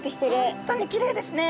本当にきれいですね。